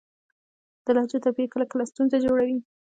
د لهجو توپیر کله کله ستونزه جوړوي.